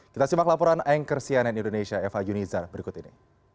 kita simak laporan angkersianen indonesia eva yunizar berikut ini